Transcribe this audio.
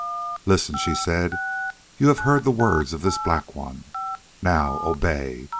"Listen," she said, "you have heard the words of this Black One. Now, obey.